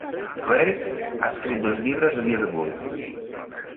Clarke ha escrit dos llibres a dia d'avui.